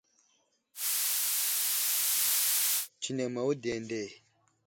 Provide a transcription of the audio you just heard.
Nənday ɗaf i maŋ yo kaɗa.